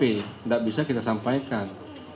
tidak bisa kita sampaikan